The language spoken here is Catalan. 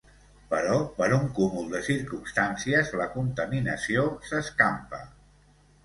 Però per un cúmul de circumstàncies, la contaminació s'escampa.